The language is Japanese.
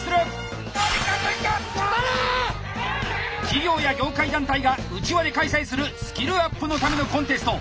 企業や業界団体が内輪で開催するスキルアップのためのコンテスト。